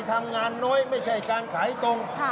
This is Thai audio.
ทำงานน้อยไม่ใช่การขายตรง